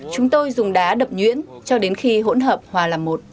chúng tôi dùng đá đập nhuyễn cho đến khi hỗn hợp hòa làm một